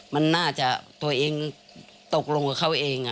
มันน่าจะตัวเองตกลงกับเขาเอง